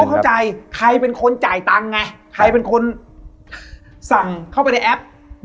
เข้าใจใครเป็นคนจ่ายตังค์ไงใครเป็นคนสั่งเข้าไปในแอป